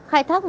hãy thắc mắc